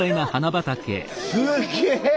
すげえ！